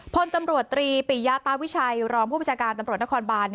พลตำรวจตรีปิยาตาวิชัยรองผู้ประชาการตำรวจนครบาน